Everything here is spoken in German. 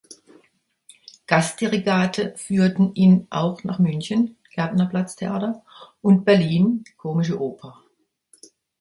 Gastdirigate führten ihn auch nach München (Gärtnerplatztheater) und Berlin (Komische Oper).